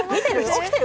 起きてる？